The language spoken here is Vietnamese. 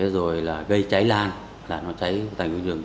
rồi là gây cháy lan là nó cháy thành phố rừng